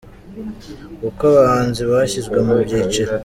Uko abahanzi bashyizwe mu byiciro